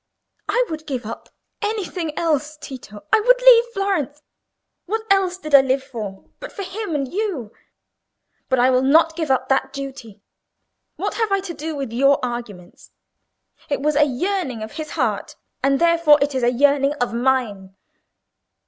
I would give up anything else, Tito,—I would leave Florence,—what else did I live for but for him and you? But I will not give up that duty. What have I to do with your arguments? It was a yearning of his heart, and therefore it is a yearning of mine."